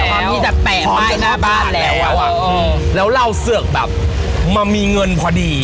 ตอนนี้แบบแปะป้ายหน้าบ้านแล้วอ่ะแล้วเราเสือกแบบมามีเงินพอดี